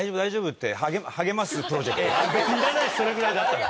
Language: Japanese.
いらないそれぐらいだったら。